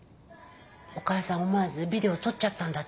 思わずビデオ撮っちゃったんだって。